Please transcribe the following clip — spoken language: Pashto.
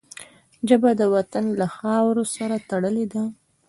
ژبه د وطن له خاورو سره تړلې ده